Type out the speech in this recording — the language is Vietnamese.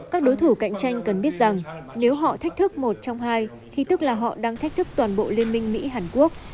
các đối thủ cạnh tranh cần biết rằng nếu họ thách thức một trong hai thì tức là họ đang thách thức toàn bộ liên minh mỹ hàn quốc